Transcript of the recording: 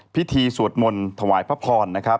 สวดมนต์ถวายพระพรนะครับ